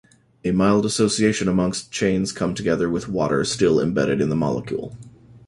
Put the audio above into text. A mild association amongst chains come together with water still embedded in the molecule.